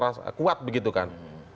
tentu saja fisik mereka harus kuat